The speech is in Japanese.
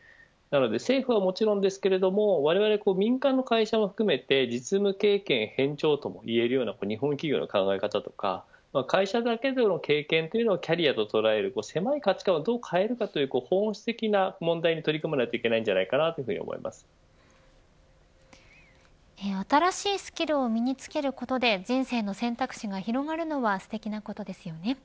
政府はもちろんですがわれわれ民間の会社も含めて実務経験偏重ともいえる日本企業の考え方や会社から経験というのもキャリアとして捉える狭い価値感をどう変えるかという本質的な問題に取り組まなくては新しいスキルを身につけることで人生の選択肢が広がるのはすてきなことですよね。